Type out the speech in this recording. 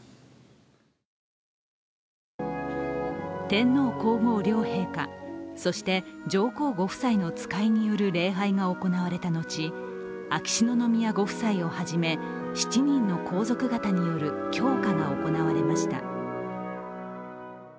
天皇皇后両陛下、そして上皇ご夫妻の使いによる礼拝が行われた後秋篠宮ご夫妻をはじめ、７人の皇族方による供花が行われました。